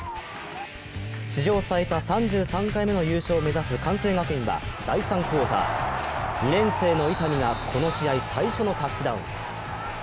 史上最多３３回目の優勝を目指す関西学院は第３クオーター、２年生の伊丹がこの試合最初のタッチダウン。